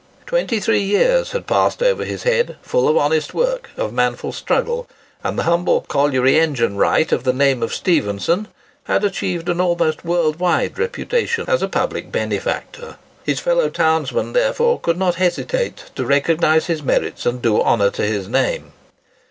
Twenty three years had passed over his head, full of honest work, of manful struggle; and the humble "colliery engine wright of the name of Stephenson" had achieved an almost worldwide reputation as a public benefactor. His fellow townsmen, therefore, could not hesitate to recognise his merits and do honour to his name.